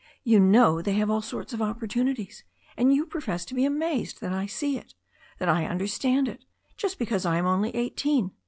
You know they have all sorts of opportunities. And you profess to be amazed that I see it, that I understand it, just because I am only eighteen.